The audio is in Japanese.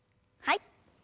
はい。